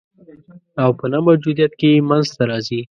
او په نه موجودیت کي یې منځ ته راځي